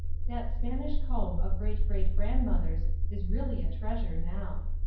That Spanish comb of great great grandmother's is really a treasure now.